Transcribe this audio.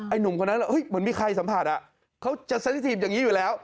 ไอ้หนุ่มคนนั้นเหมือนมีใครสัมผัสอ่ะเขาจะสนิทอย่างนี้อยู่แล้ว